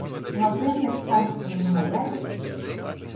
Латин як цар в своїм наряді